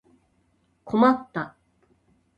困った